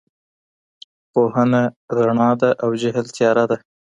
پوهه رڼا ده او جهل تياره ده.